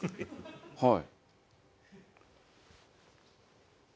はい。